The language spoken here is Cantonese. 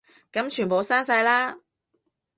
噉全部刪晒啦